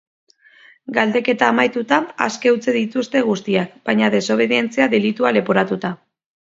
Galdeketa amaituta, aske utzi dituzte guztiak, baina desobedientzia delitua leporatuta.